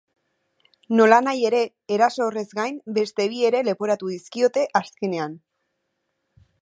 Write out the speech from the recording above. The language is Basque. Nolanahi ere, eraso horrez gain, beste bi ere leporatu dizkiote azkenean.